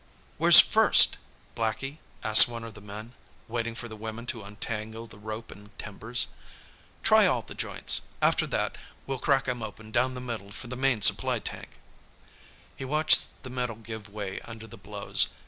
"Where first, Blackie?" asked one of the men, waiting for the women to untangle the rope and timbers. "Try all the joints. After that, we'll crack him open down the middle for the main supply tank." He watched the metal give way under the blows.